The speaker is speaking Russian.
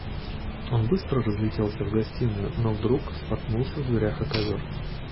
Он было разлетелся в гостиную, но вдруг споткнулся в дверях о ковер.